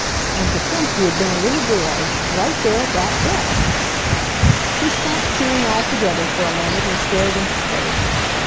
And to think he had been a little boy, right there at that desk! She stopped chewing altogether for a moment and stared into space.